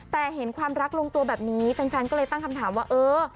แต่เห็นความรักลงตัวแบบนี้แฟนก็เลยตั้งคำถามว่าเออ